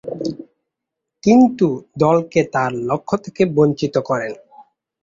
কিন্তু, দলকে তার লক্ষ্য থেকে বঞ্চিত করেন।